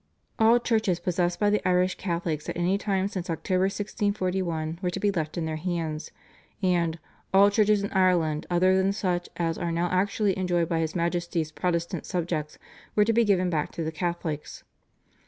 All churches possessed by the Irish Catholics at any time since October 1641 were to be left in their hands, and "all churches in Ireland other than such as are now actually enjoyed by his Majesty's Protestant subjects" were to be given back to the Catholics.